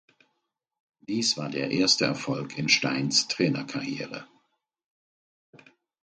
Dies war der erste Erfolg in Steins Trainerkarriere.